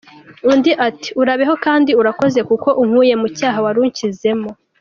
Undi ati “Urabeho kandi urakoze kuko unkuye mu cyaha wari unshyizemo.